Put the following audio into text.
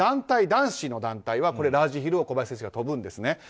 男子の団体はラージヒルを小林選手が飛ぶんですね。